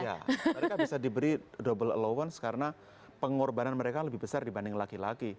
ya mereka bisa diberi double allowance karena pengorbanan mereka lebih besar dibanding laki laki